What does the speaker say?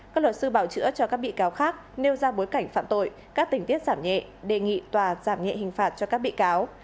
các luật sư bảo chữa cho các bị cáo khác nêu ra bối cảnh phạm tội các tình tiết giảm nhẹ đề nghị tòa giảm nhẹ hình phạt cho các bị cáo